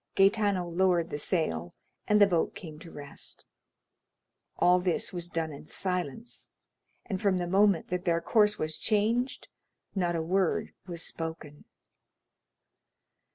Gaetano lowered the sail, and the boat came to rest. All this was done in silence, and from the moment that their course was changed not a word was spoken.